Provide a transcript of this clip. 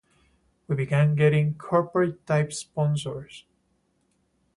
We began getting corporate-type sponsors.